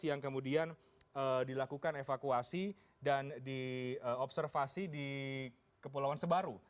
yang kemudian dilakukan evakuasi dan diobservasi di kepulauan sebaru